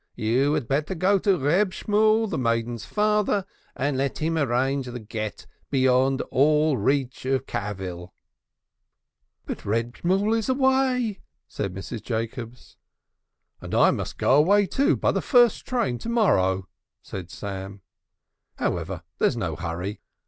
"You had better go to Reb Shemuel, the maiden's father, and let him arrange the Gett beyond reach of cavil." "But Reb Shemuel is away," said Mrs. Jacobs. "And I must go away, too, by the first train to morrow," said Sam. "However, there's no hurry.